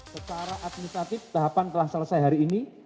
secara administratif tahapan telah selesai hari ini